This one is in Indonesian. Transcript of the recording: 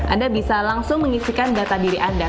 anda bisa langsung mengisikan data diri anda